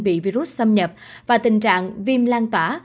bị virus xâm nhập và tình trạng viêm lan tỏa